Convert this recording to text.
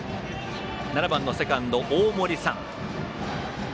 ７番のセカンド、大森燦。